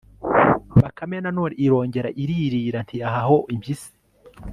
bakame na none irongera iririra ntiyahaho impyisi